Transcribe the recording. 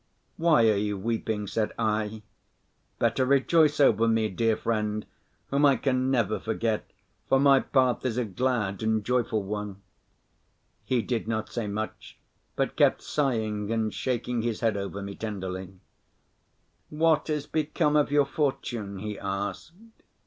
"Why are you weeping?" said I, "better rejoice over me, dear friend, whom I can never forget, for my path is a glad and joyful one." He did not say much, but kept sighing and shaking his head over me tenderly. "What has became of your fortune?" he asked.